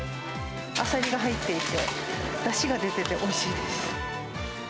あさりが入っていて、だしが出てて、おいしいです。